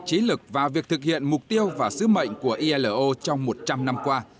trí lực và việc thực hiện mục tiêu và sứ mệnh của ilo trong một trăm linh năm qua